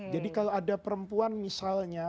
jadi kalau ada perempuan misalnya